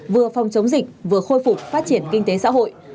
vừa phòng chống dịch vừa khôi phục phát triển kinh tế xã hội